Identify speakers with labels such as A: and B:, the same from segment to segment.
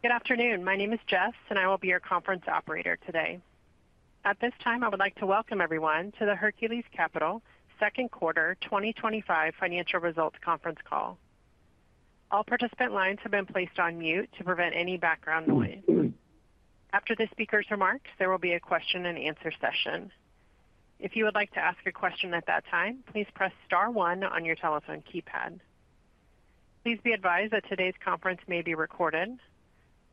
A: Good afternoon, my name is Jess and I will be your conference operator today. At this time, I would like to welcome everyone to the Hercules Capital second quarter 2025 financial sesults conference call. All participant lines have been placed on mute to prevent any background noise. After the speakers' remarks, there will be a question and answer session. If you would like to ask a question at that time, please press star one on your telephone keypad. Please be advised that today's conference may be recorded.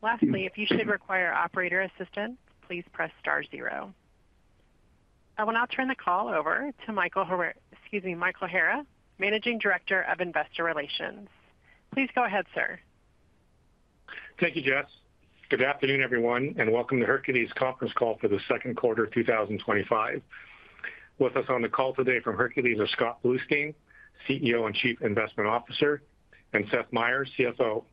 A: Lastly, if you should require operator assistance, please press star zero. I will now turn the call over to Michael Hara, Managing Director of Investor Relations. Please go ahead, sir.
B: Thank you, Jess. Good afternoon everyone and welcome to Hercules conference call for the second quarter 2025. With us on the call today from Hercules is Scott Bluestein, CEO and Chief Investment Officer, and Seth Meyer, CFO.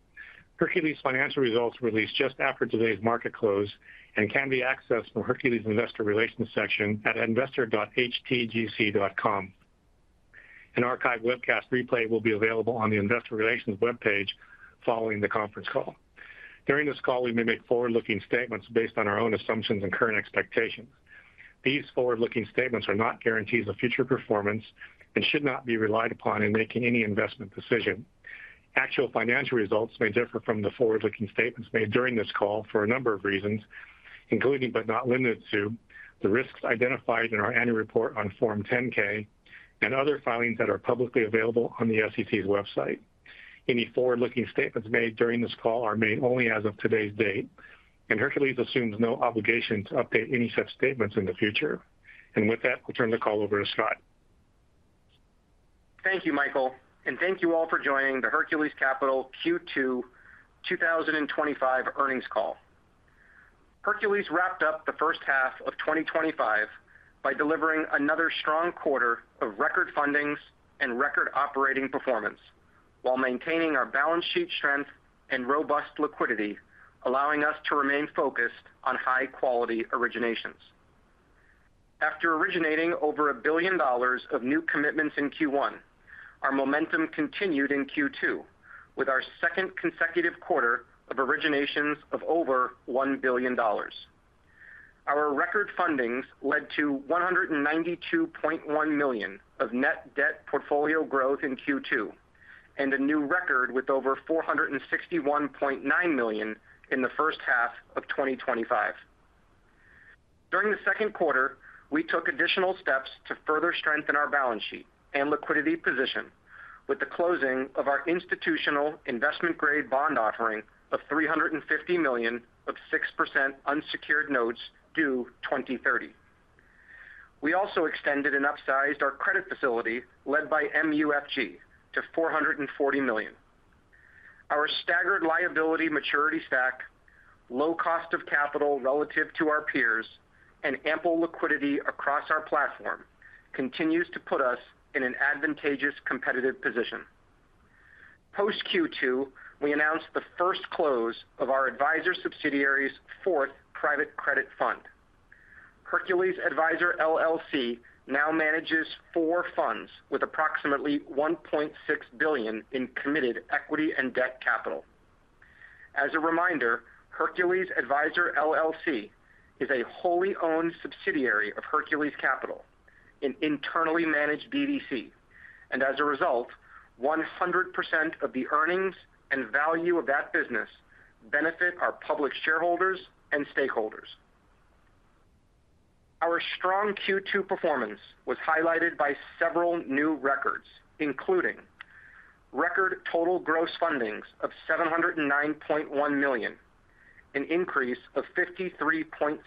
B: Hercules financial results released just after today's market close and can be accessed from Hercules Investor Relations section at investor.htgc.com. An archived webcast replay will be available on the investor relations webpage following the conference call. During this call we may make forward-looking statements based on our own assumptions and current expectations. These forward-looking statements are not guarantees of future performance and should not be relied upon in making any investment decision. Actual financial results may differ from the forward-looking statements made during this call for a number of reasons, including but not limited to the risks identified in our annual report on Form 10-K and other filings that are publicly available on the SEC's website. Any forward-looking statements made during this call are made only as of today's date and Hercules assumes no obligation to update any such statements in the future. With that, we'll turn the call over to Scott.
C: Thank you, Michael, and thank you all for joining the Hercules Capital Q2 2025 earnings call. Hercules wrapped up the first half of 2025 by delivering another strong quarter of record fundings and record operating performance while maintaining our balance sheet strength and robust liquidity, allowing us to remain focused on high quality originations. After originating over $1 billion of new commitments in Q1, our momentum continued in Q2 with our second consecutive quarter of originations of over $1 billion. Our record fundings led to $192.1 million of net debt portfolio growth in Q2 and a new record with over $461.9 million in the first half of 2025. During the second quarter, we took additional steps to further strengthen our balance sheet and liquidity position with the closing of our institutional investment grade bond offering of $350 million of 6% unsecured notes due 2030. We also extended and upsized our credit facility led by MUFG to $440 million. Our staggered liability maturity stack, low cost of capital relative to our peers, and ample liquidity across our platform continues to put us in an advantageous competitive position. Post Q2, we announced the first close of our Adviser subsidiary's fourth private credit fund. Hercules Adviser LLC now manages four funds with approximately $1.6 billion in committed equity and debt capital. As a reminder, Hercules Adviser LLC is a wholly owned subsidiary of Hercules Capital, an internally managed BDC, and as a result, 100% of the earnings and value of that business benefit our public shareholders and stakeholders. Our strong Q2 performance was highlighted by several new records including record total gross fundings of $709.1 million, an increase of 53.7%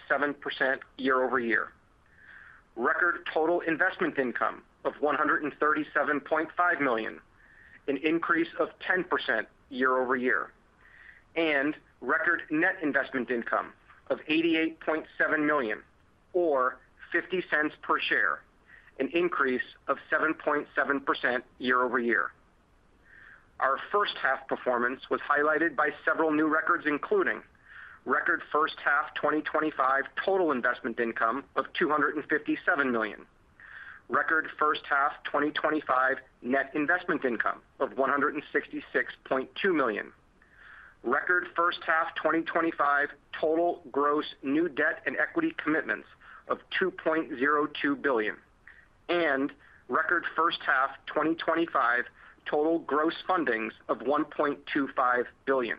C: year-over-year, record total investment income of $137.5 million, an increase of 10% year-over-year, and record net investment income of $88.7 million or $0.50 per share, an increase of 7.7% year-over-year. Our first half performance was highlighted by several new records including record first half 2025 total investment income of $257 million, record first half 2025 net investment income of $166.2 million, record first half 2025 total gross new debt and equity commitments of $2.02 billion, and record first half 2025 total gross fundings of $1.25 billion.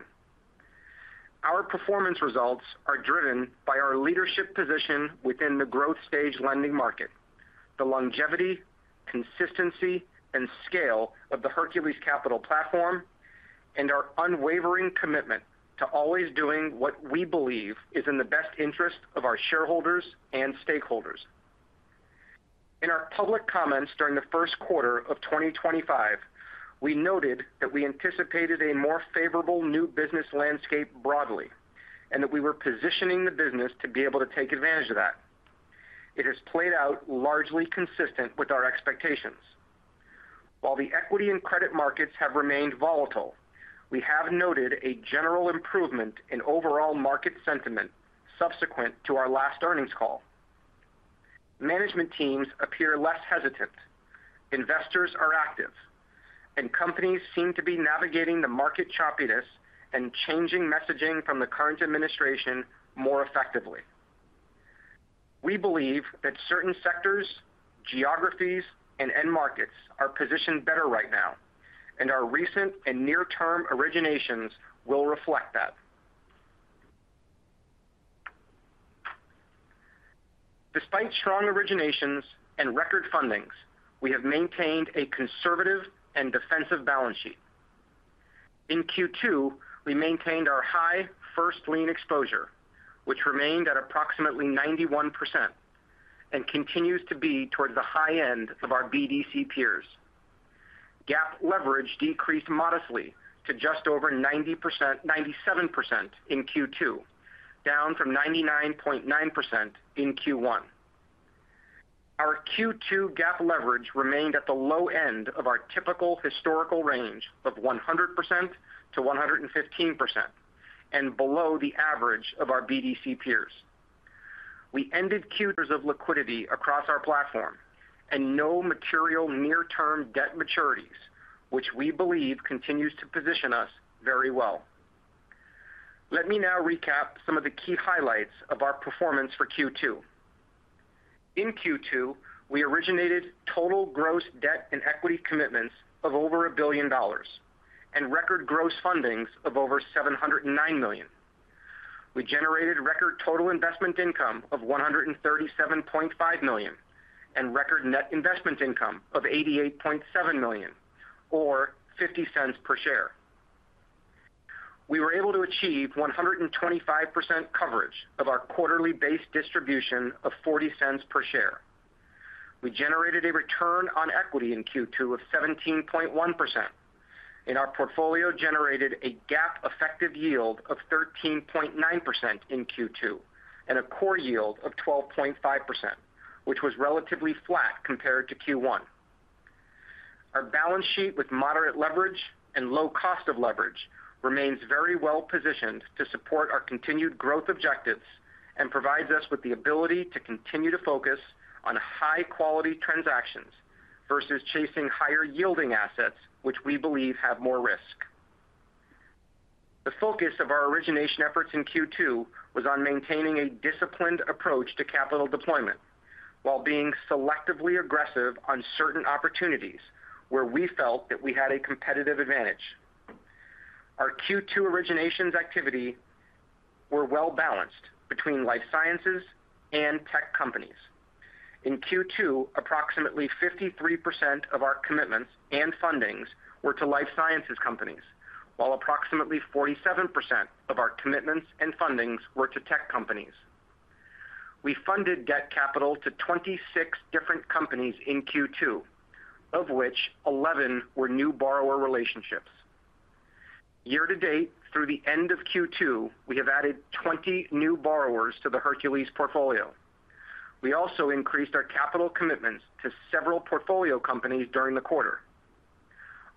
C: Our performance results are driven by our leadership position within the growth stage lending market, the longevity, consistency, and scale of the Hercules Capital platform, and our unwavering commitment to always doing what we believe is in the best interest of our shareholders and stakeholders. In our public comments during the first quarter of 2025, we noted that we anticipated a more favorable new business landscape broadly and that we were positioning the business to be able to take advantage of that. It has played out largely consistent with our expectations. While the equity and credit markets have remained volatile, we have noted a general improvement in overall market sentiment subsequent to our last earnings call. Management teams appear less hesitant, investors are active, and companies seem to be navigating the market choppiness and changing messaging from the current administration more effectively. We believe that certain sectors, geographies, and end markets are positioned better right now and our recent and near term originations will reflect that. Despite strong originations and record fundings, we have maintained a conservative and defensive balance sheet. In Q2, we maintained our high first lien exposure, which remained at approximately 91% and continues to be towards the high end of our BDC peers. GAAP leverage decreased modestly to just over 97% in Q2, down from 99.9% in Q1. Our Q2 GAAP leverage remained at the low end of our typical historical range of 100% to 115% and below the average of our BDC peers. We ended Q2 with liquidity across our platform and no material near term debt maturities, which we believe continues to position us very well. Let me now recap some of the key highlights of our performance for Q2. In Q2, we originated total gross debt and equity commitments of over $1 billion and record gross fundings of over $709 million. We generated record total investment income of $137.5 million and record net investment income of $88.7 million or $0.50 per share. We were able to achieve 125% coverage of our quarterly base distribution of $0.40 per share. We generated a return on equity in Q2 of 17.1% and our portfolio generated a GAAP effective yield of 13.9% in Q2 and a core yield of 12.5%, which was relatively flat compared to Q1. Our balance sheet with moderate leverage and low cost of leverage remains very well positioned to support our continued growth objectives and provides us with the ability to continue to focus on high quality transactions versus chasing higher yielding assets, which we believe have more risk. The focus of our origination efforts in Q2 was on maintaining a disciplined approach to capital deployment while being selectively aggressive on certain opportunities where we felt that we had a competitive advantage. Our Q2 originations activity were well balanced between life sciences and tech companies. In Q2, approximately 53% of our commitments and fundings were to life sciences companies, while approximately 47% of our commitments and fundings were to tech companies. We funded debt capital to 26 different companies in Q2, of which 11 were new borrower relationships. Year to date through the end of Q2, we have added 20 new borrowers to the Hercules portfolio. We also increased our capital commitments to several portfolio companies during the quarter.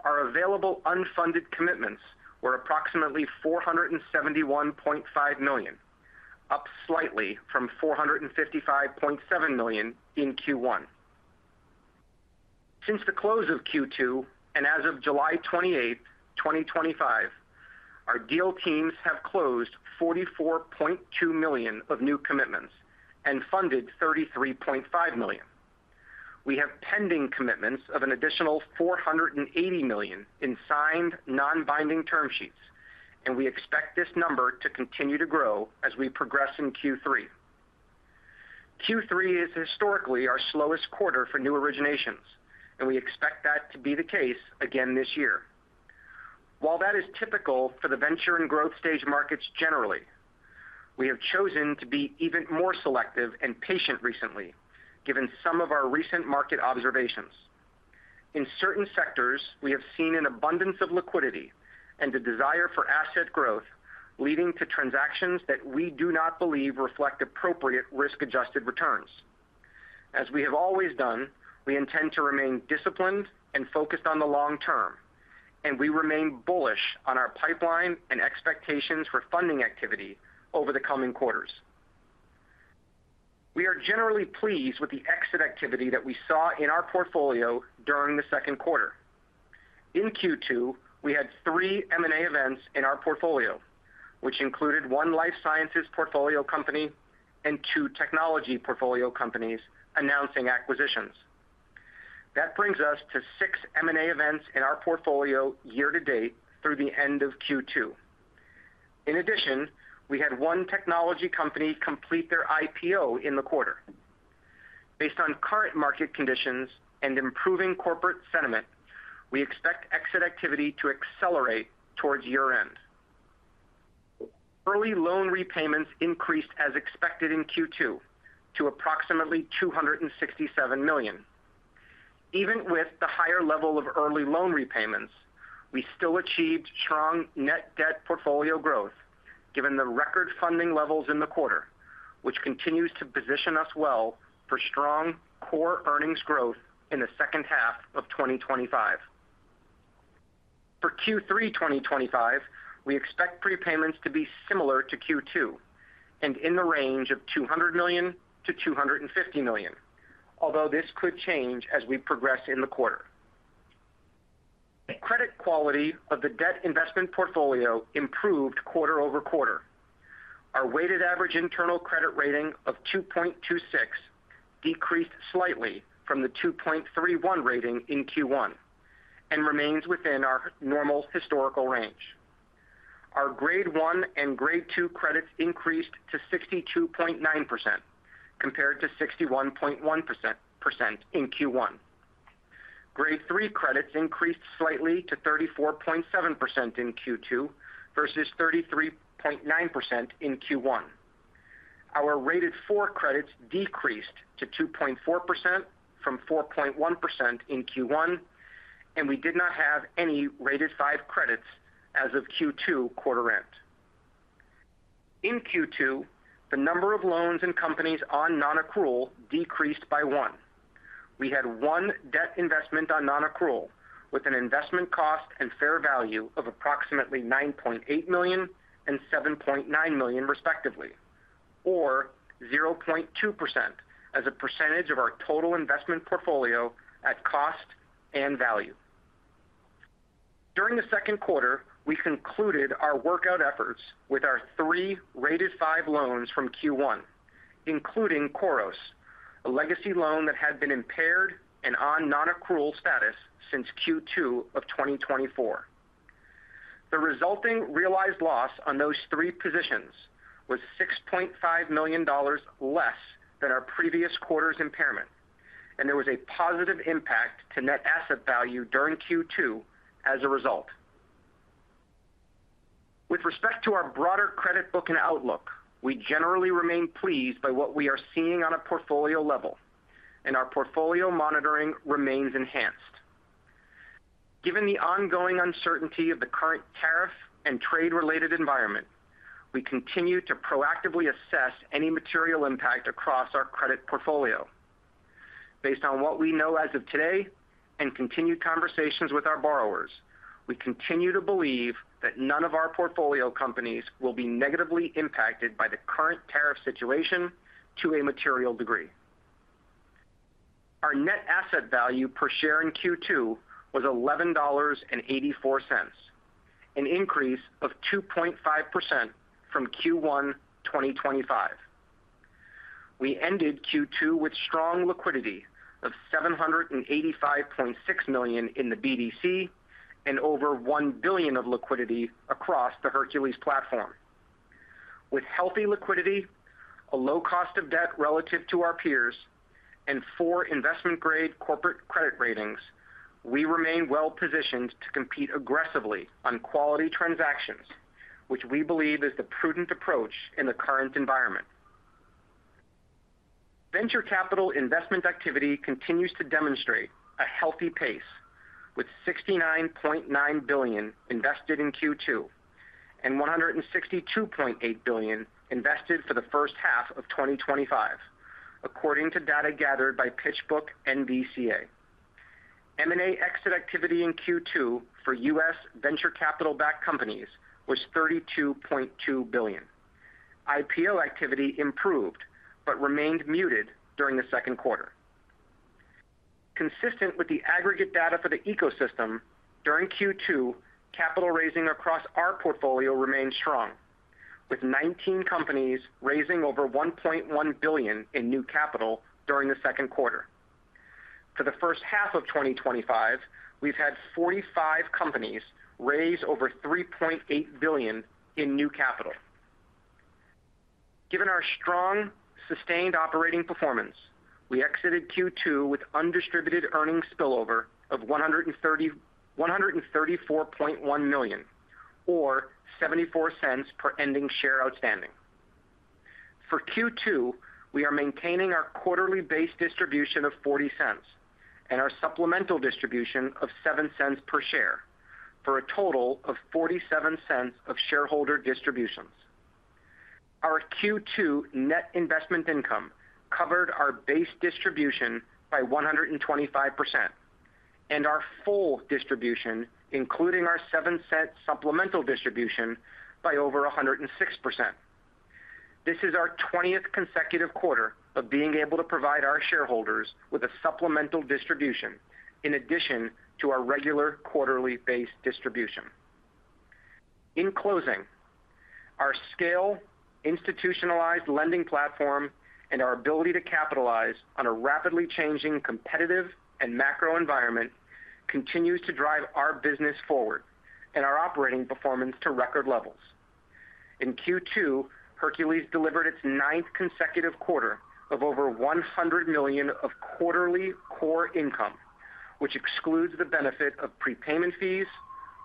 C: Our available unfunded commitments were approximately $471.5 million, up slightly from $455.7 million in Q1. Since the close of Q2 and as of July 28, 2025, our deal teams have closed $44.2 million of new commitments and funded $33.5 million. We have pending commitments of an additional $480 million in signed non-binding term sheets, and we expect this number to continue to grow as we progress in Q3. Q3 is historically our slowest quarter for new originations, and we expect that to be the case again this year. While that is typical for the venture and growth stage markets generally, we have chosen to be even more selective and patient recently given some of our recent market observations. In certain sectors, we have seen an abundance of liquidity and a desire for asset growth leading to transactions that we do not believe reflect appropriate risk-adjusted returns. As we have always done, we intend to remain disciplined and focused on the long term, and we remain bullish on our pipeline and expectations for funding activity over the coming quarters. We are generally pleased with the exit activity that we saw in our portfolio during the second quarter. In Q2, we had three M&A events in our portfolio, which included one life sciences portfolio company and two technology portfolio companies announcing acquisitions. That brings us to six M&A events in our portfolio year to date through the end of Q2. In addition, we had one technology company complete their IPO in the quarter. Based on current market conditions and improving corporate sentiment, we expect exit activity to accelerate towards year end. Early loan repayments increased as expected in Q2 to approximately $267 million. Even with the higher level of early loan repayments, we still achieved strong net debt portfolio growth given the record funding levels in the quarter, which continues to position us well for strong core earnings growth in the second half of 2025. For Q3 2025, we expect prepayments to be similar to Q2 and in the range of $200 million to $250 million, although this could change as we progress in the quarter. Credit quality of the debt investment portfolio improved quarter over quarter. Our weighted average internal credit rating of 2.26 decreased slightly from the 2.31 rating in Q1 and remains within our normal historical range. Our grade one and grade two credits increased to 62.9% compared to 61.1% in Q1. Grade three credits increased slightly to 34.7% in Q2 versus 33.9% in Q1. Our rated four credits decreased to 2.4% from 4.1% in Q1 and we did not have any rated five credits as of Q2 quarter end. In Q2, the number of loans and companies on nonaccrual decreased by one. We had one debt investment on nonaccrual with an investment cost and fair value of approximately $9.8 million and $7.9 million respectively, or 0.2% as a percentage of our total investment portfolio at cost and value. During the second quarter, we concluded our workout efforts with our three rated five loans from Q1, including Khoros, a legacy loan that had been impaired and on nonaccrual status since Q2 of 2024. The resulting realized loss on those three positions was $6.5 million less than our previous quarter's impairment and there was a positive impact to net asset value during Q2 as a result. With respect to our broader credit book and outlook, we generally remain pleased by what we are seeing on a portfolio level and our portfolio monitoring remains enhanced. Given the ongoing uncertainty of the current tariff and trade related environment, we continue to proactively assess any material impact across our credit portfolio. Based on what we know as of today and continued conversations with our borrowers, we continue to believe that none of our portfolio companies will be negatively impacted by the current tariff situation. To a material degree, our net asset value per share in Q2 was $11.84, an increase of 2.5% from Q1 2025. We ended Q2 with strong liquidity of $785.6 million in the BDC and over $1 billion of liquidity across the Hercules platform. With healthy liquidity, a low cost of debt relative to our peers, and four investment grade corporate credit ratings, we remain well positioned to compete aggressively on quality transactions, which we believe is the prudent approach in the current environment. Venture capital investment activity continues to demonstrate a healthy pace with $69.9 billion invested in Q2 and $162.8 billion invested for the first half of 2025 according to data gathered by PitchBook-NVCA. M&A exit activity in Q2 for U.S. venture capital backed companies was $32.2 billion. IPO activity improved but remained muted during the second quarter, consistent with the aggregate data for the ecosystem during Q2. Capital raising across our portfolio remains strong with 19 companies raising over $1.1 billion in new capital during the second quarter. For the first half of 2025, we've had 45 companies raise over $3.8 billion in new capital. Given our strong sustained operating performance, we exited Q2 with undistributed earnings spillover of $134.1 million or $0.74 per ending share outstanding for Q2. We are maintaining our quarterly base distribution of $0.40 and our supplemental distribution of $0.07 per share for a total of $0.47 of shareholder distributions. Our Q2 net investment income covered our base distribution by 125%, and. Our full. Distribution, including our $0.07 supplemental distribution, by over 106%. This is our 20th consecutive quarter of being able to provide our shareholders with a supplemental distribution in addition to our regular quarterly base distribution. In closing, our scale institutionalized lending platform and our ability to capitalize on a rapidly changing competitive and macro environment continues to drive our business forward and our operating performance to record levels. In Q2, Hercules delivered its ninth consecutive quarter of over $100 million of quarterly core income, which excludes the benefit of prepayment fees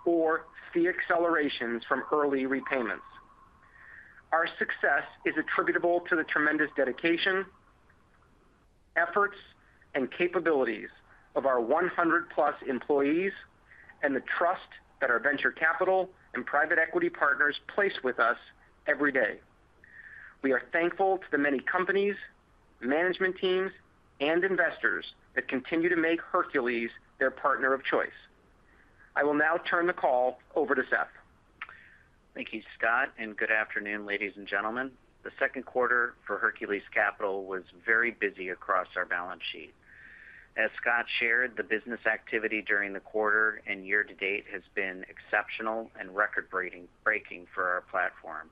C: or fee accelerations from early repayments. Our success is attributable to the tremendous dedication, efforts, and capabilities of our 100 plus employees and the trust that our venture capital and private equity partners place with us every day. We are thankful to the many companies, management teams, and investors that continue to make Hercules their partner of choice. I will now turn the call over to Seth.
D: Thank you, Scott, and good afternoon, ladies and gentlemen. The second quarter for Hercules Capital was very busy across our balance sheet. As Scott shared, the business activity during the quarter and year to date has been exceptional and record breaking for our platform.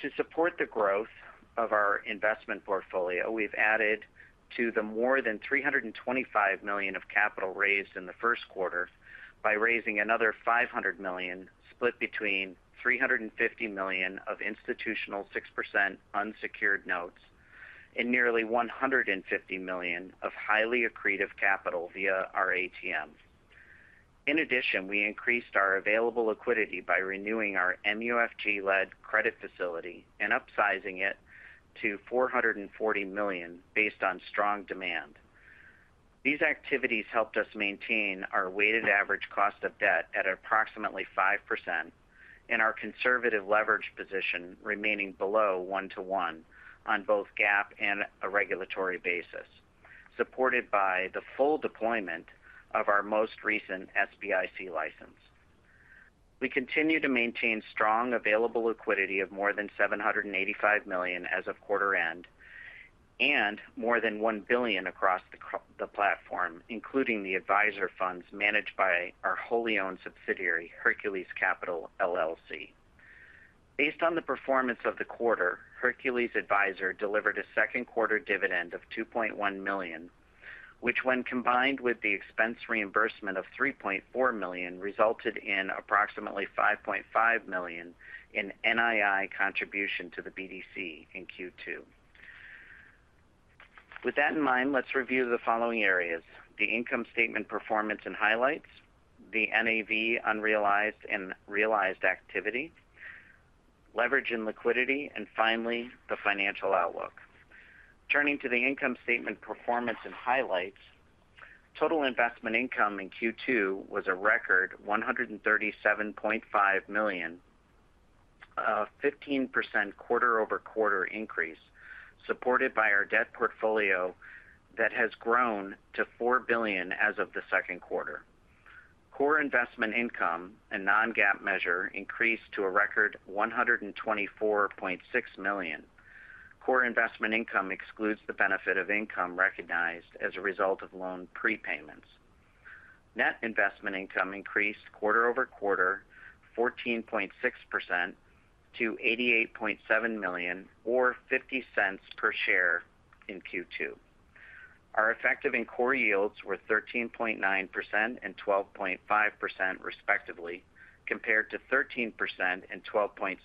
D: To support the growth of our investment portfolio, we've added to the more than $325 million of capital raised in the first quarter by raising another $500 million split between $350 million of institutional 6% unsecured notes and nearly $150 million of highly accretive capital via our ATM. In addition, we increased our available liquidity by renewing our MUFG-led credit facility and upsizing it to $440 million based on strong demand. These activities helped us maintain our weighted average cost of debt at approximately 5% and our conservative leverage position remaining below 1 to 1 on both GAAP and a regulatory basis, supported by the full deployment of our most recent SBIC license. We continue to maintain strong available liquidity of more than $785 million as of quarter end and more than $1 billion across the platform, including the Adviser funds managed by our wholly owned subsidiary, Hercules Capital LLC. Based on the performance of the quarter, Hercules Adviser delivered a second quarter dividend of $2.1 million, which, when combined with the expense reimbursement of $3.4 million, resulted in approximately $5.5 million in NII contribution to the BDC in Q2. With that in mind, let's review the following: the income statement performance and highlights, the NAV unrealized and realized activity, leverage and liquidity, and finally the financial outlook. Turning to the income statement performance and highlights, total investment income in Q2 was a record $137.5 million, a 15% quarter-over-quarter increase supported by our debt portfolio that has grown to $4 billion as of the second quarter. Core investment income, a non-GAAP measure, increased to a record $124.6 million. Core investment income excludes the benefit of income recognized as a result of loan prepayments. Net investment income increased quarter over quarter 14.6% to $88.7 million or $0.50 per share. In Q2, our effective and core yields were 13.9% and 12.5%, respectively, compared to 13% and 12.6%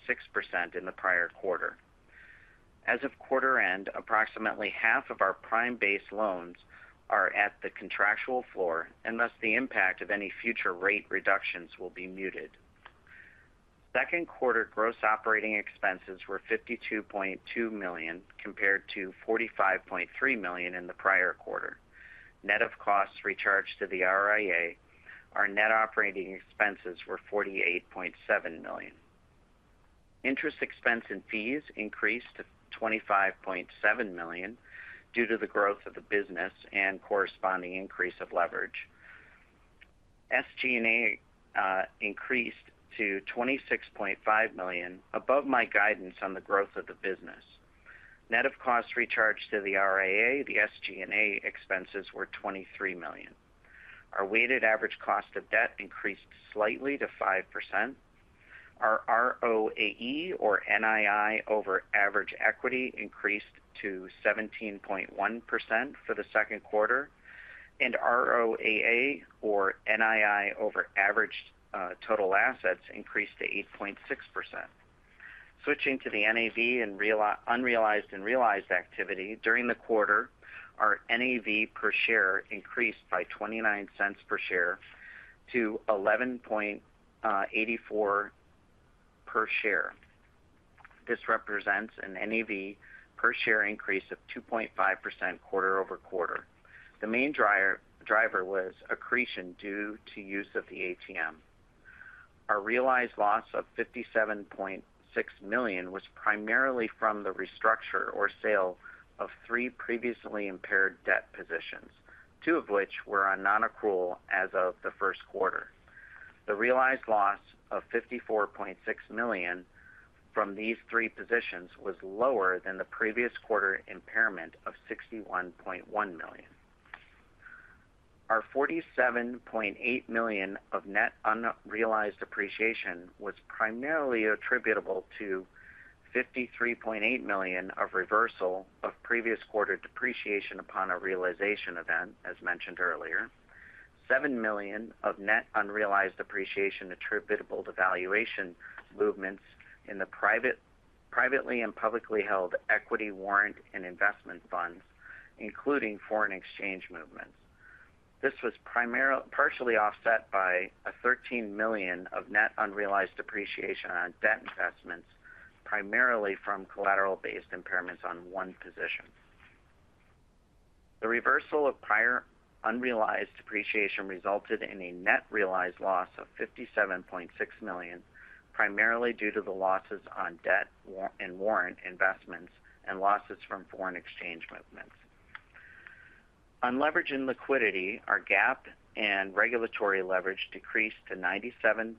D: in the prior quarter. As of quarter end, approximately half of our prime base loans are at the contractual floor, and thus the impact of any future rate reductions will be muted. Second quarter gross operating expenses were $52.2 million compared to $45.3 million in the prior quarter. Net of costs recharged to the RIA, our net operating expenses were $48.7 million. Interest expense and fees increased to $25.7 million due to the growth of the business and corresponding increase of leverage. SG&A increased to $26.5 million above my guidance on the growth of the business. Net of costs recharged to the RIA, the SG&A expenses were $23 million. Our weighted average cost of debt increased slightly to 5%. Our ROAE, or NII over average equity, increased to 17.1% for the second quarter and ROAA, or NII over average total assets, increased to 8%. Switching to the NAV, unrealized and realized activity during the quarter, our NAV per share increased by $0.29 per share to $11.84 per share. This represents an NAV per share increase of 2.5% quarter over quarter. The main driver was accretion due to use of the ATM. Our realized loss of $57.6 million was primarily from the restructure or sale of three previously impaired debt positions, two of which were on nonaccrual as of the first quarter. The realized loss of $54.6 million from these three positions was lower than the previous quarter impairment of $61.1 million. Our $47.8 million of net unrealized appreciation was primarily attributable to $53.8 million of reversal of previous quarter depreciation upon a realization event. As mentioned earlier, $7 million of net unrealized appreciation attributable to valuation movements in the privately and publicly held equity, warrant and investment funds including foreign exchange movements. This was partially offset by $13 million of net unrealized depreciation on debt investments primarily from collateral-based impairments on one position. The reversal of prior unrealized depreciation resulted in a net realized loss of $57.6 million primarily due to the losses on debt warrant investments and losses from foreign exchange movements on leverage and liquidity. Our GAAP and regulatory leverage decreased to 97.4%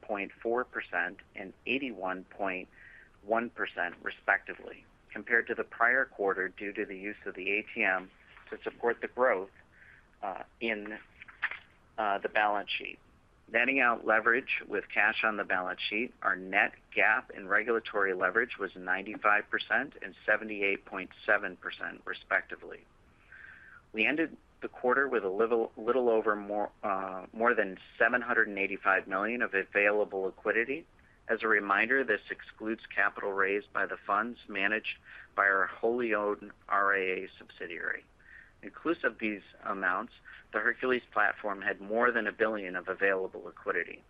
D: and 81.1% respectively compared to the prior quarter due to the use of the ATM to support the growth in the balance sheet. Netting out leverage with cash on the balance sheet, our net cash GAAP and regulatory leverage was 95% and 78.7% respectively. We ended the quarter with a little over $785 million of available liquidity. As a reminder, this excludes capital raised by the funds managed by our wholly owned RIA subsidiary. Inclusive of these amounts, the Hercules platform had more than $1 billion of available liquidity.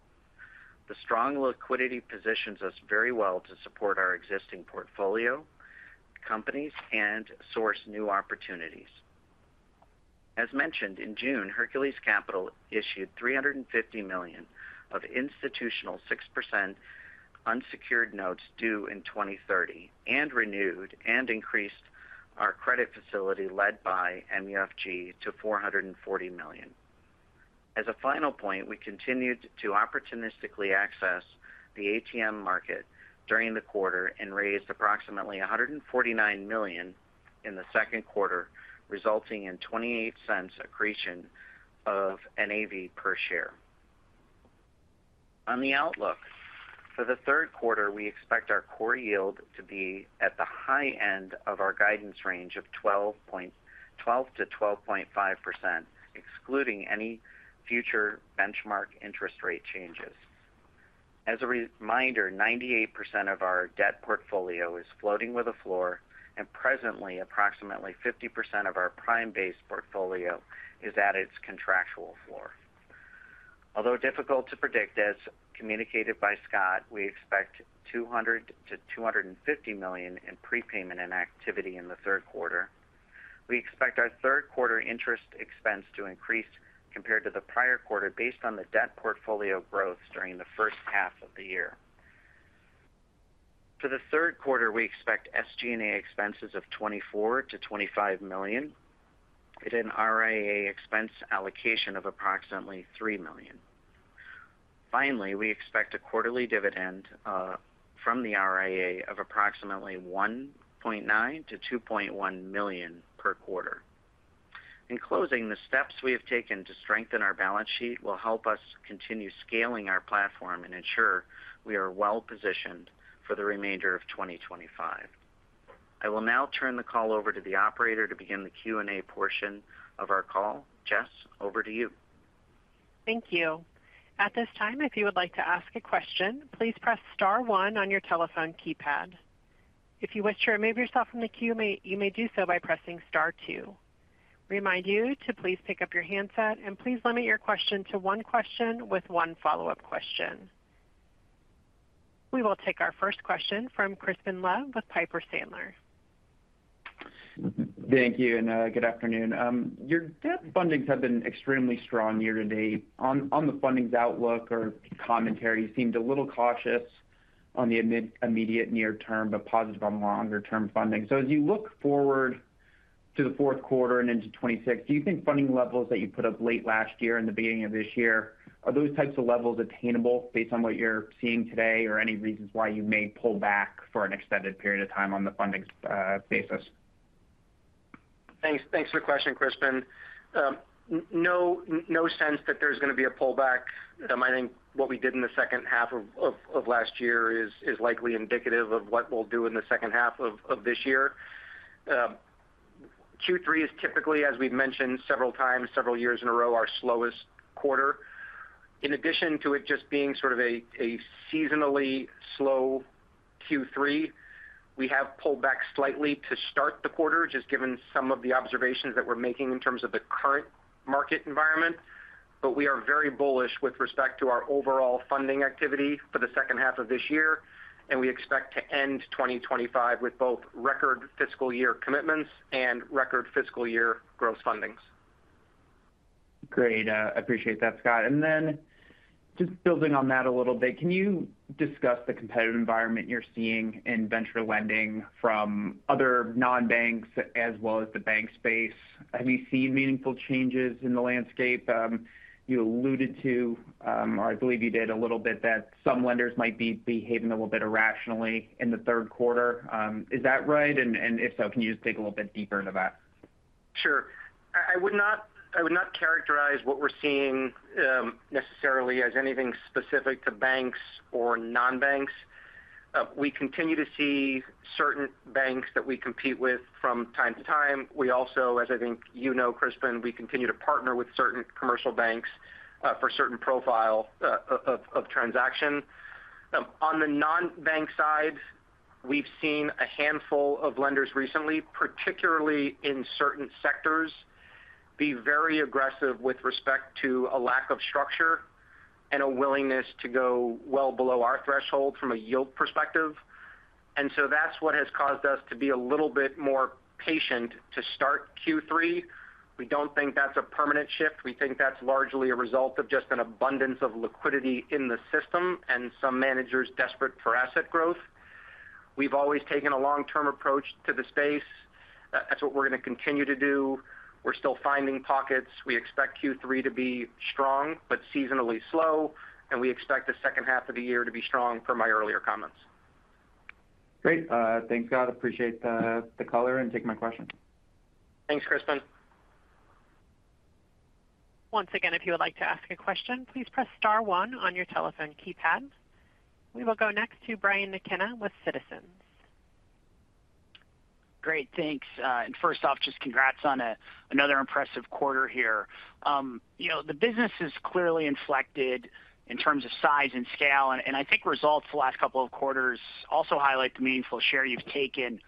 D: The strong liquidity positions us very well to support our existing portfolio companies and source new opportunities. As mentioned, in June Hercules Capital issued $350 million of institutional 6% unsecured notes due in 2030 and renewed and increased our credit facility led by MUFG to $440 million. As a final point, we continued to opportunistically access the ATM market during the quarter and raised approximately $149 million in the second quarter, resulting in $0.28 accretion of NAV per share. On the outlook for the third quarter, we expect our core yield to be at the high end of our guidance range of 12.2% to 12.5%, excluding any future benchmark interest rate changes. As a reminder, 98% of our debt portfolio is floating with a floor and presently approximately 50% of our prime-based portfolio is at its contractual floor. Although difficult to predict as communicated by Scott, we expect $200 million to $250 million in prime prepayment inactivity in the third quarter. We expect our third quarter interest expense to increase compared to the prior quarter based on the debt portfolio growth during the first half of the year. For the third quarter, we expect SG&A expenses of $24 million to $25 million and an RIA expense allocation of approximately $3 million. Finally, we expect a quarterly dividend from the RIA of approximately $1.9 million to $2.1 million per quarter. In closing, the steps we have taken to strengthen our balance sheet will help us continue scaling our platform and ensure we are well positioned for the remainder of 2025. I will now turn the call over to the operator to begin the Q&A portion of our call. Jess, over to you.
A: Thank you. At this time, if you would like to ask a question, please press star one on your telephone keypad. If you wish to remove yourself from the queue, you may do so by pressing star two. Remind you to please pick up your handset and please limit your question to one question with one follow up question. We will take our first question from Crispin Love with Piper Sandler.
E: Thank you and good afternoon. Your debt fundings have been extremely strong year to date. On the funding's outlook, commentary seemed a little cautious on the immediate near term, but positive on longer term funding. As you look forward to the. Fourth quarter and into 2026, do you. Think funding levels that you put up late last year and the beginning of. This year are those types of levels. Attainable based on what you're seeing today or any reasons why you may pull. Back for an extended period of time. On the funding basis?
C: Thanks for the question, Crispin. No sense that there's going to be a pullback. I think what we did in the second half of last year is likely indicative of what we'll do in the second half of this year. Q3 is typically, as we mentioned several times, several years in a row, our slowest quarter. In addition to it just being sort of a seasonally slow Q3, we have pulled back slightly to start the quarter, just given some of the observations that we're making in terms of the current quarter market environment. We are very bullish with respect to our overall funding activity for the second half of this year, and we expect to end 2025 with both record fiscal year commitments and record fiscal year gross fundings.
E: Great. Appreciate that, Scott. Just building on that a little bit, can you discuss the competitive environment you're seeing in venture lending from other non-bank lenders as well as the bank space? Have you seen meaningful changes in the landscape? You alluded to, or I believe you did a little bit, that some lenders might be behaving a little bit irrationally in the third quarter. Is that right? If so, can you just dig a little bit deeper into that?
C: Sure. I would not characterize what we're seeing necessarily as anything specific to banks or non-bank lenders. We continue to see certain banks that we compete with from time to time. We also, as I think you know, Crispin, we continue to partner with certain commercial banks for certain profile of transaction. On the non-bank side, we've seen a handful of lenders recently, particularly in certain sectors, be very aggressive with respect to a lack of structure and a willingness to go well below our threshold from a yield perspective. That's what has caused us to be a little bit more patient to start Q3. We don't think that's a permanent shift. We think that's largely a result of just an abundance of liquidity in the system and some managers desperate for asset growth. We've always taken a long-term approach to the space. That's what we're going to continue to do. We're still finding pockets. We expect Q3 to be strong but seasonally slow, and we expect the second half of the year to be strong from my earlier comments.
E: Great. Thanks Scott. Appreciate the color and take my question.
C: Thanks Crispin.
A: Once again, if you would like to ask a question, please press Star one on your telephone keypad. We will go next to Brian Mckenna with Citizens.
F: Great, thanks. First off, just congrats on another impressive quarter here. The business is clearly inflected in terms of size and scale, and I think results the last couple of quarters also highlight the meaningful share you've taken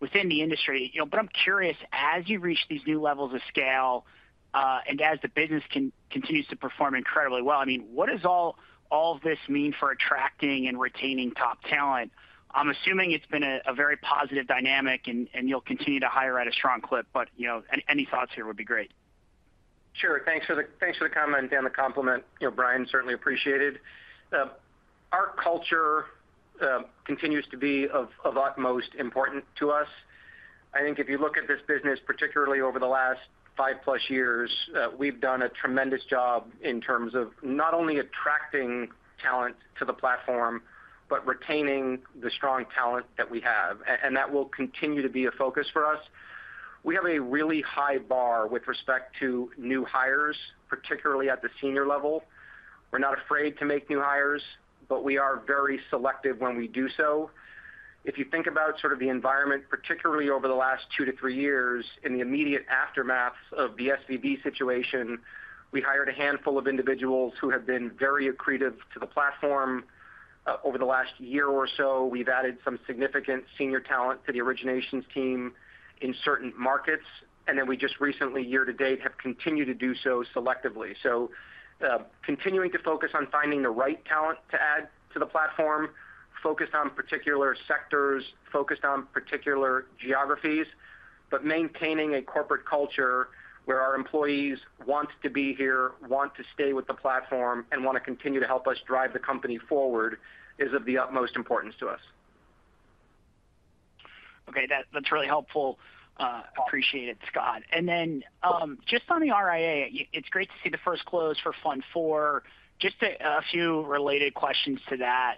F: within the industry. I'm curious, as you reach these new levels of scale and as the business continues to perform incredibly well, what does all of this mean for attracting and retaining top talent? I'm assuming it's been a very positive dynamic and you'll continue to hire at a strong clip. Any thoughts here would be great.
C: Sure. Thanks for the comment and the compliment, Brian. Certainly appreciated. Our culture continues to be of utmost importance to us. I think if you look at this business, particularly over the last five plus years, we've done a tremendous job in terms of not only attracting talent to the platform, but retaining the strong talent that we have. That will continue to be a focus for us. We have a really high bar with respect to new hires, particularly at the senior level. We're not afraid to make new hires, but we are very selective when we do. If you think about sort of the environment, particularly over the last two to three years, in the immediate aftermath of the SVB situation, we hired a handful of individuals who have been very accretive to the platform over the last year or so. We've added some significant senior talent to the Originations team in certain markets, and we just recently, year to date, have continued to do so selectively. Continuing to focus on finding the right talent to add to the platform, focused on particular sectors, focused on particular geographies, but maintaining a corporate culture where our employees want to be here, want to stay with the platform, and want to continue to help us drive the company forward is of the utmost importance to us.
F: Okay, that's really helpful. Appreciate it, Scott. Just on the RIA, it's great to see the first close for Fund IV. Just a few related questions to that.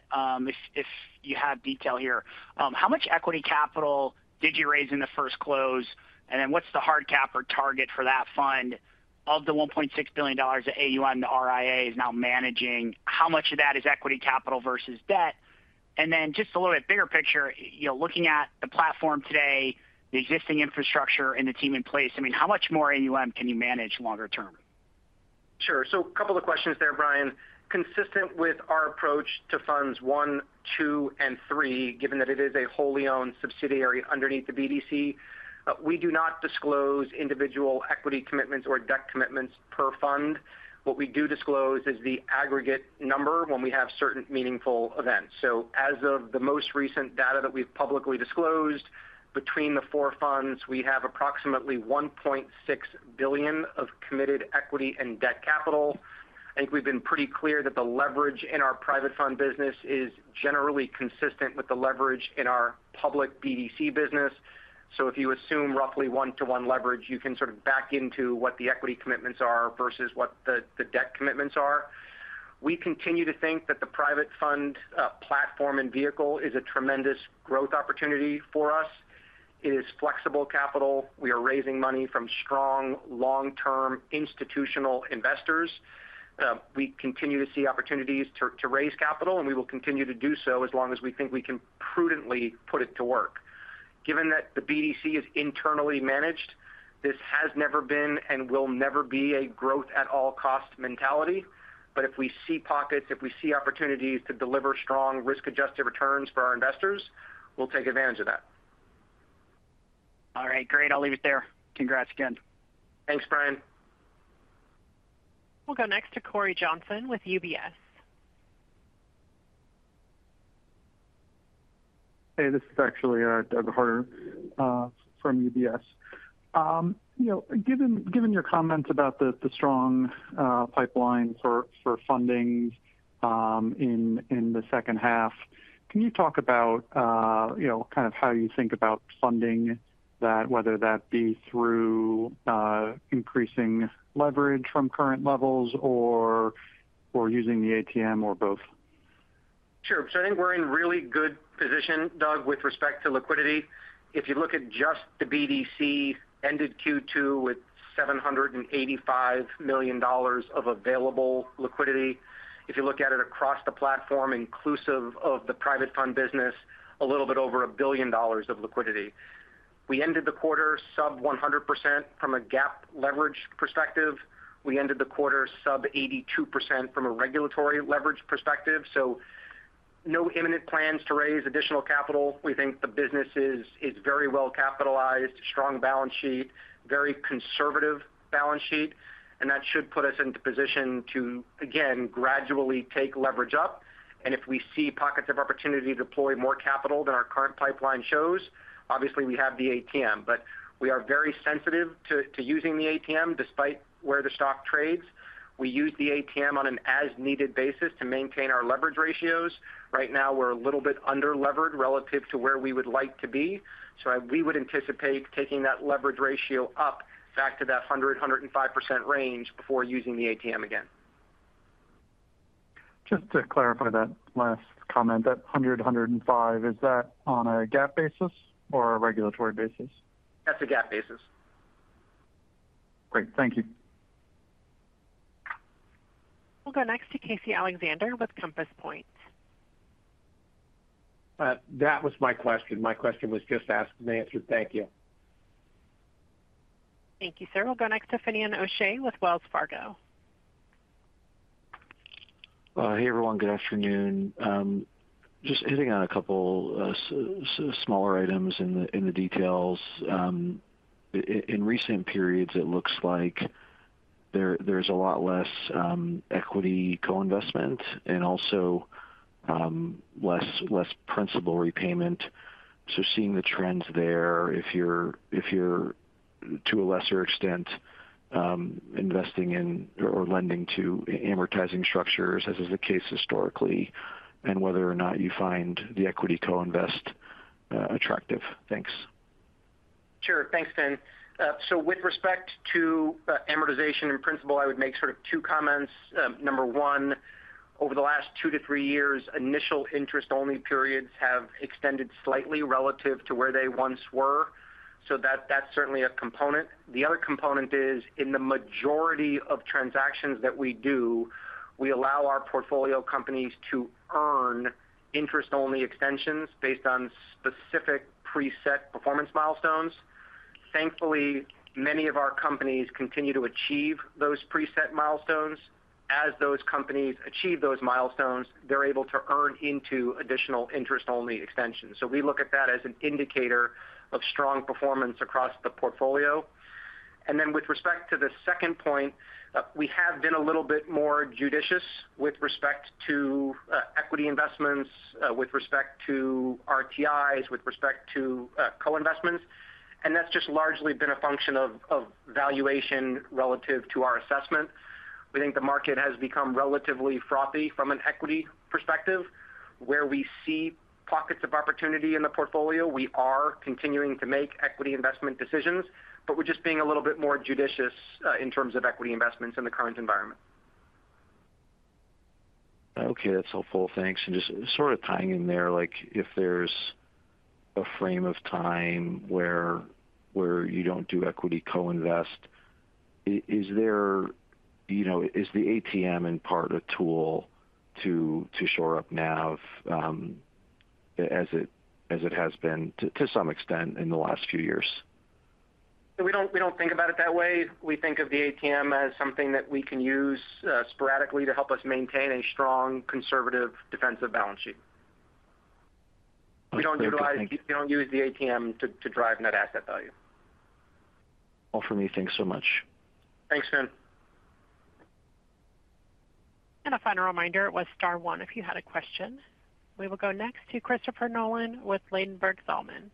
F: If you have detail here, how much equity capital did you raise in the first close, and what's the hard cap or target for that fund? Of the $1.6 billion that AUM the RIA is now managing, how much of that is equity capital versus debt? Just a little bit bigger picture, you're looking at the platform today, the existing infrastructure, and the team in place. I mean, how much more AUM can you manage longer term?
C: Sure. A couple of questions there, Brian. Consistent with our approach to Funds I, II, and III, given that it is a wholly owned subsidiary underneath the BDC, we do not disclose individual equity commitments or debt commitments per fund. What we do disclose is the aggregate number when we have certain meaningful events. As of the most recent data that we've publicly disclosed, between the four funds, we have approximately $1.6 billion of committed equity and debt capital. I think we've been pretty clear that the leverage in our private fund business is generally consistent with the leverage in our public BDC business. If you assume roughly one to one leverage, you can sort of back into what the equity commitments are versus what the debt commitments are. We continue to think that the private fund platform and vehicle is a tremendous growth opportunity for us. It is flexible capital. We are raising money from strong long term institutional investors. We continue to see opportunities to raise capital and we will continue to do so as long as we think we can prudently put it to work. Given that the BDC is internally managed, this has never been and will never be a growth at all cost mentality. If we see pockets, if we see opportunities to deliver strong risk-adjusted returns for our investors, we'll take advantage of that.
F: All right, great. I'll leave it there. Congrats again.
C: Thanks, Brian.
A: We'll go next to Cory Johnson with UBS.
G: Hey, this is actually Doug Harter from UBS. Given. Given your comments about the strong pipeline for funding in the second half, can you talk about how you think about funding that? Whether that be through increasing leverage from current levels or using the ATM or both.
C: Sure. I think we're in really good position, Doug, with respect to liquidity. If you look at just the BDC, ended Q2 with $785 million of available liquidity. If you look at it across the platform, inclusive of the private fund business, a little bit over $1 billion of liquidity. We ended the quarter sub 100% from a GAAP leverage perspective, we ended the quarter sub 82% from a regulatory leverage perspective. There are no imminent plans to raise additional capital. We think the business is very well capitalized, strong balance sheet, very conservative balance sheet, and that should put us into position to again gradually take leverage up if we see pockets of opportunity to deploy more capital than our current pipeline shows. Obviously, we have the ATM, but we are very sensitive to using the ATM despite where the stock trades. We use the ATM on an as-needed basis to maintain our leverage ratios. Right now we're a little bit underlevered relative to where we would like to be. We would anticipate taking that leverage ratio up back to that 100% to 105% range before using the ATM. Again.
G: Just to clarify that last comment, that 100% to 105%, is that on a GAAP basis or a regulatory basis?
C: That's a GAAP basis.
G: Great, thank you.
A: We'll go next to Casey Alexander with Compass Point.
H: That was my question. My question was just asked and answered. Thank you.
A: Thank you, sir. We'll go next to Finian O'Shea with Wells Fargo Securities.
I: Hey everyone. Good afternoon. Just hitting on a couple smaller items in the details. In recent periods it looks like there's a lot less equity co-investment. Also. Less principal repayment. Seeing the trends there, if you're to a lesser extent investing in or lending to amortizing structures, as is the case historically, and whether or not you find the equity co-invest attractive. Thanks.
C: Sure. Thanks, Fin. With respect to amortization in principal, I would make two comments. Number one, over the last two to three years, initial interest only periods have extended slightly relative to where they once were. That's certainly a component. The other component is in the majority of transactions that we do, we allow our portfolio companies to earn interest only extensions based on specific preset performance milestones. Thankfully, many of our companies continue to achieve those preset milestones. As those companies achieve those milestones, they're able to earn into additional interest only extensions. We look at that as an indicator of strong performance across the portfolio. With respect to the second point, we have been a little bit more judicious with respect to equity investments, with respect to RTIs, with respect to co-investments. That's just largely been a function of valuation relative to our assessment. We think the market has become relatively frothy from an equity perspective. Where we see pockets of opportunity in the portfolio, we are continuing to make equity investment decisions, but we're just being a little bit more judicious in terms of equity investments in the current environment.
I: Okay, that's helpful, thanks. Just sort of tying in there, if there's a frame of time where you don't do equity co-invest, is the ATM in part a tool to shore up navigation as it has been to some extent in the last few years?
C: We don't think about it that way. We think of the ATM as something that we can use sporadically to help us maintain a strong, conservative, defensive balance sheet. We don't use the ATM to drive net asset value.
I: All for me. Thanks so much.
C: Thanks, Fin.
A: A final reminder, it was Star One. If you had a question, we will go next to Christopher Nolan with Ladenburg Thalmann.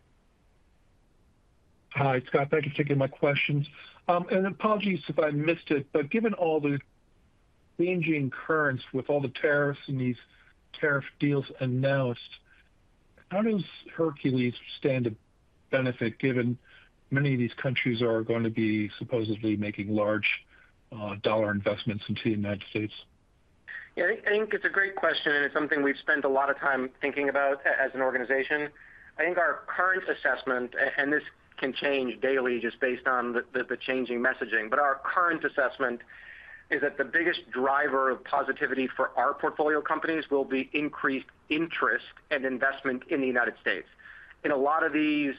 J: Hi Scott, thank you for taking my questions and apologies if I missed it. Given all the changing currents with all the tariffs and these tariff deals announced, how does Hercules stand to benefit given many of these countries are going to be supposedly making large dollar investments into the United States?
C: I think it's a great question and it's something we've spent a lot of time thinking about as an organization. I think our current assessment, and this can change daily just based on the changing messaging, is that the biggest driver of positivity for our portfolio companies will be increased interest and investment in the United States. In a lot of these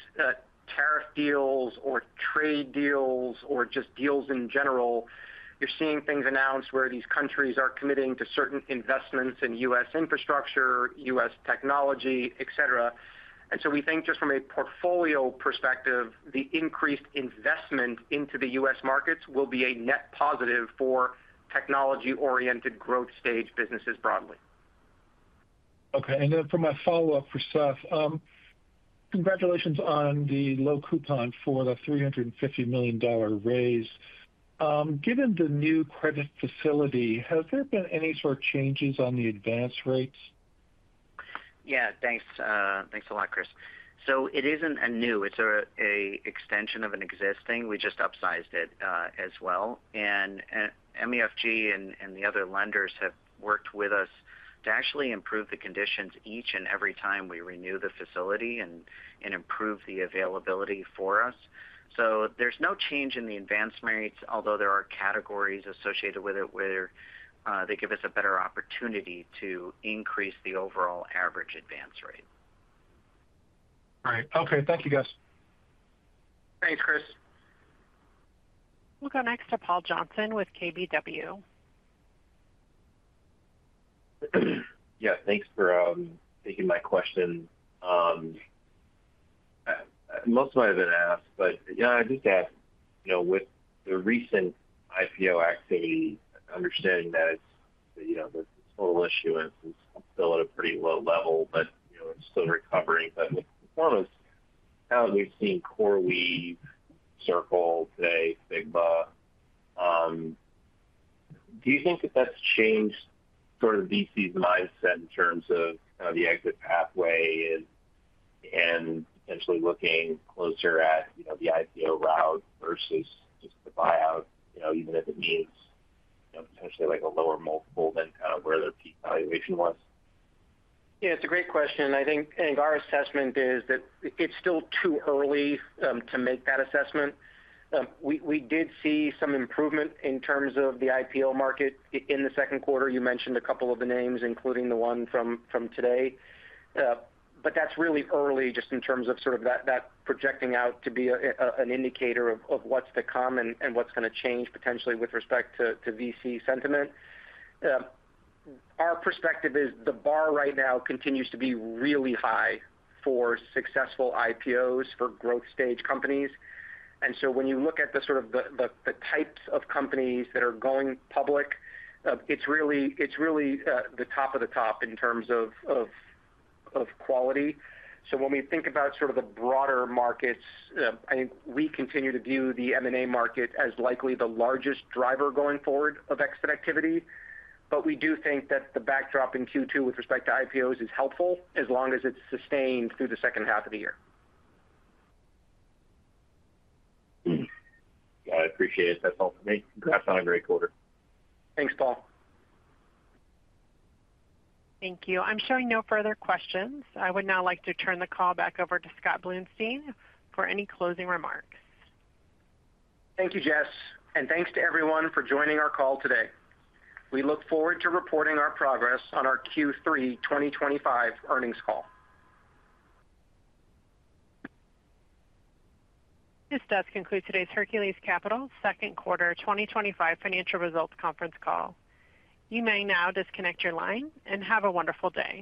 C: tariff deals or trade deals or just deals in general, you're seeing things announced where these countries are committing to certain investments in U.S. infrastructure, U.S. technology, et cetera. We think just from a portfolio perspective, the increased investment into the U.S. markets will be a net positive for technology-oriented growth stage businesses broadly.
J: Okay, and for my follow up for Seth, congratulations on the low coupon for the $350 million raise. Given the new credit facility, has there been any sort of changes on the advance rates?
D: Yeah, thanks. Thanks a lot, Chris. It isn't new, it's an extension of an existing. We just upsized it as well. MUFG and the other lenders have worked with us to actually improve the conditions each and every time we renew the facility and improve the availability for us. There's no change in the advance rates, although there are categories associated with it where they give us a better opportunity to increase the overall average advance rate.
J: Great. Okay, thank you, guys.
C: Thanks, Chris.
A: We'll go next to Paul Johnson with KBW.
K: Yeah, thanks for taking my question. Most of it has been asked, but I just asked, you know, with the recent IPO activity, understanding that it's, you know, the total issuance is still at a pretty low level, but it's still recovering with performance. How have we seen CoreWeave, Circle, today, Figma? Do you think that that's changed, sort of? Of VC's mindset in terms of the exit pathway and potentially looking closer at the IPO route versus just the buyout, even if it means potentially a lower multiple than kind of where their peak valuation was?
C: Yeah, it's a great question. I think our assessment is that it's still too early to make that assessment. We did see some improvement in terms of the IPO market in the second quarter. You mentioned a couple of the names, including the one from today, but that's really early just in terms of projecting out to be an indicator of what's to come and what's going to change potentially. With respect to VC sentiment, our perspective is the bar right now continues to be really high for successful IPOs for growth stage companies. When you look at the types of companies that are going public, it's really the top of the top in terms of quality. When we think about the broader markets, I think we continue to view the M&A market as likely the largest driver going forward of exit activity. We do think that the backdrop in Q2 with respect to IPOs is helpful as long as it's sustained through the second half of the year.
K: I appreciate it. That's all for me. Congrats on a great quarter.
C: Thanks, Paul.
A: Thank you. I'm showing no further questions. I would now like to turn the call back over to Scott Bluestein for any closing remarks.
C: Thank you, Jess. Thank you to everyone for joining our call today. We look forward to reporting our progress on our Q3 2025 earnings call.
A: This does conclude today's Hercules Capital second quarter 2025 financial results conference call. You may now disconnect your line and have a wonderful day.